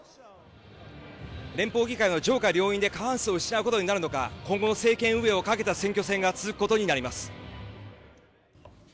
連邦議会の上下両院で過半数を失うことになるのか今後の政権運営をかけた選挙戦が続くことになります。